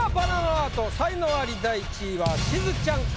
アート才能アリ第１位はしずちゃんか？